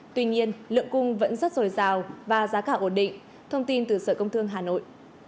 tuy nhiên lượng cung vẫn rất dồi dào và giá cả ổn định thông tin từ sở công thương hà nội